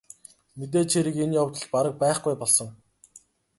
Мэдээж хэрэг энэ явдал бараг байхгүй болсон.